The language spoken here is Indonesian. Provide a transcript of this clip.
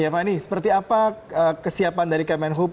ya fani seperti apa kesiapan dari kemenhub